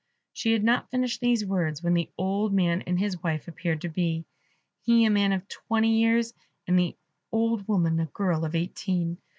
She had not finished these words, when the old man and his wife appeared to be, he a man of twenty years, and the old woman a girl of eighteen.